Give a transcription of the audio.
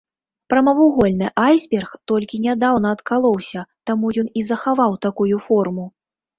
Прамавугольны айсберг толькі нядаўна адкалоўся, таму ён і захаваў такую форму.